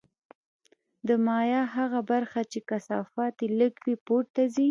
د مایع هغه برخه چې کثافت یې لږ وي پورته ځي.